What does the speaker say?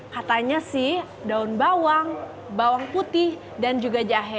katanya sih daun bawang bawang putih dan juga jahe